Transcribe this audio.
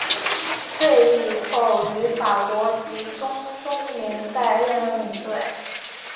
退役后于法国及中东联赛任领队。